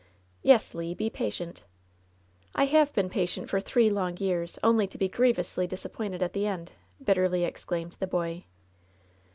"Yes, Le. Be patient." "I have been patient for three long years, only to bo grievously disappointed at the end 1" bitterly exclaimed tie boy.